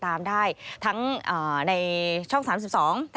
สวัสดีค่ะสวัสดีค่ะ